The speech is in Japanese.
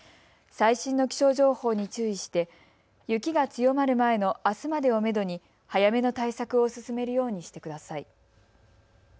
最新の気象情報に注意して雪が強まる前のあすまでをめどに早めの対策を進めるようにしてください。